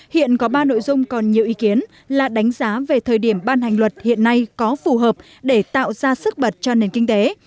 hiện có ba nội dung còn nhiều ý kiến là đánh giá về thời điểm ban hành luật hiện nay có phù hợp để tạo ra sức bật cho nền kinh tế